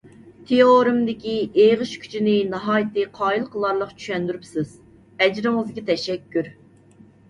تېئورېمىدىكى ئېغىش كۈچىنى ناھايىتى قايىل قىلارلىق چۈشەندۈرۈپسىز، ئەجرىڭىزگە تەشەككۈر.